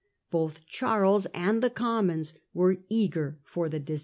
Both Charles and the Commons were eager for the dis Disbanding